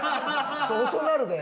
遅なるで。